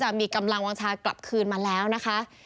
มีกำลังวางชากลับคืนมาแล้วนะคะ